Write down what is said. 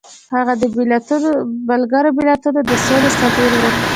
هغه د ملګرو ملتونو د سولې سفیر و.